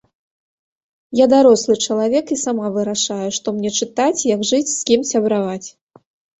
Я дарослы чалавек, і сама вырашаю, што мне чытаць, як жыць, з кім сябраваць.